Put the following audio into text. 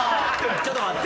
ちょっと待って。